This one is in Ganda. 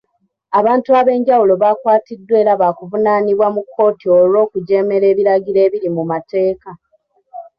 Abantu ab'enjawulo bakwatiddwa era baakuvunaanibwa mu kkooti olw'okujeemera ebiragiro ebiri mu mateeka.